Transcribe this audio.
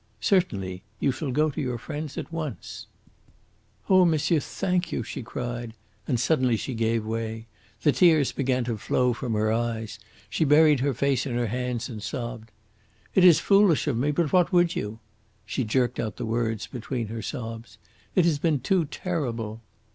"Certainly; you shall go to your friends at once." "Oh, monsieur, thank you!" she cried, and suddenly she gave way. The tears began to flow from her eyes. She buried her face in her hands and sobbed. "It is foolish of me, but what would you?" She jerked out the words between her sobs. "It has been too terrible."